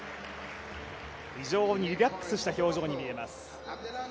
非常にリラックスした表情に見えます。